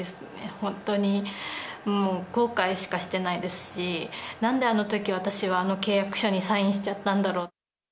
本当に後悔しかしてないですし、なんであのとき私はあの契約書にサインしちゃったんだろうと。